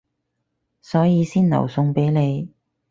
所以先留餸畀你